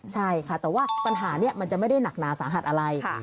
ใช่ค่ะแต่ว่าปัญหานี้มันจะไม่ได้หนักหนาสาหัสอะไร